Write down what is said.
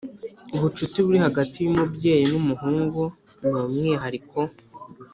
ubucuti buri hagati yumubyeyi numuhungu ni umwihariko